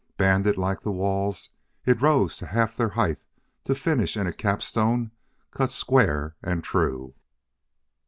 Banded like the walls, it rose to half their height to finish in a capstone cut square and true.